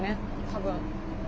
多分。